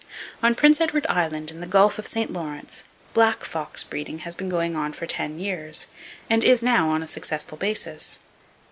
On Prince Edward Island, in the Gulf of St. Lawrence, black fox breeding has been going on for ten years, and is now on a successful basis.